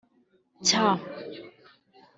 cy